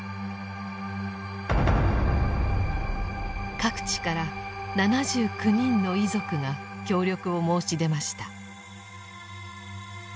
各地から７９人の遺族が協力を申し出ました。